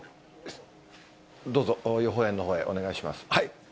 どうぞ、予報円のほうへお願いします。